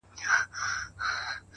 د ژوند مانا په ګټورو کارونو کې ده